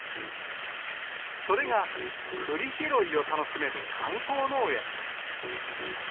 それが、くり拾いを楽しめる観光農園です。